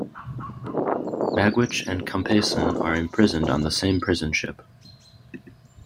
Magwitch and Compeyson are imprisoned on the same prison ship.